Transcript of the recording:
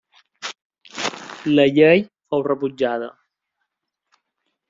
La llei fou rebutjada.